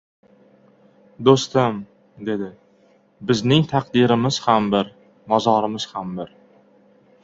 — Do‘stim! — dedi. — Bizning taqdirimiz ham bir, mozorimiz ham bir!